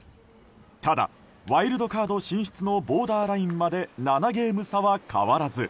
ただワイルドカード進出のボーダーラインまで７ゲーム差は変わらず。